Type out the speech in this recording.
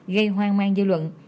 gây hoang mang gieo luận